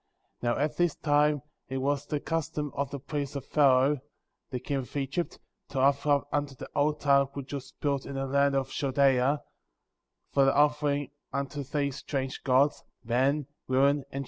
8. Now, at this time it was the custom of the priest of Pharaoh, the king of Egypt, to offer up upon the altar which was built in the land of Chal dea, for the offering unto these strange gods, men, women, and children.